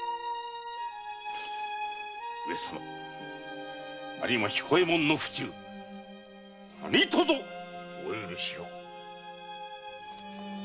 上様有馬彦右衛門の不忠何とぞお許しを。